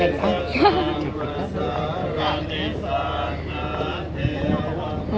แข่งกันทั้งเก้าใช่ไหมครับ